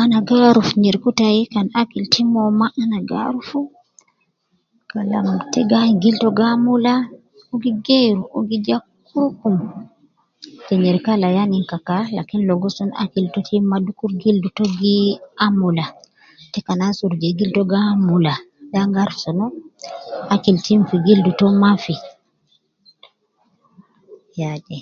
Ana gi aruf nyereku tai kan akil Tim uwo ma ana gi arufu Kalam te gi ayin gil to gi amula, uwo gi geeru uwo gi ja kurukum , te nyereku al ayani ya kan lakin logo sun akil Tim ma dukur gil to gi amula, te kan asurub jede gil to gi amula, de an gi aruf sunu, akil Tim fi gildu to Mafi, ya de